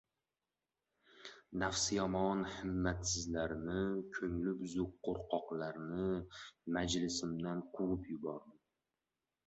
Nafsi yomon himmatsizlarni, ko‘ngli buzuq qo‘rqoqlarni majlisimdan quvib yubordim.